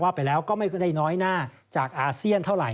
ไปแล้วก็ไม่ค่อยได้น้อยหน้าจากอาเซียนเท่าไหร